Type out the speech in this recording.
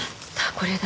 これだ。